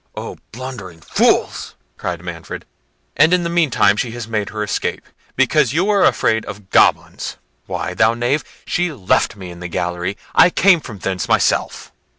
"O blundering fools!" cried Manfred; "and in the meantime, she has made her escape, because you were afraid of goblins!—Why, thou knave! she left me in the gallery; I came from thence myself."